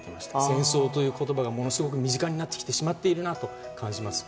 戦争という言葉が身近になってきてしまっているなと感じます。